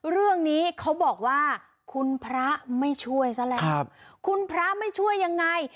เรื่องนี้เขาบอกว่าคุณพระไม่ช่วยซะแล้วคุณพระไม่ช่วยยังไง